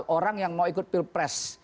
orang yang mau ikut pil pres